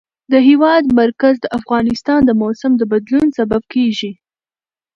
د هېواد مرکز د افغانستان د موسم د بدلون سبب کېږي.